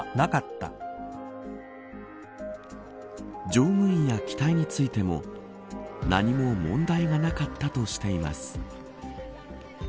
乗務員や機体についても何も問題がなかったとしています。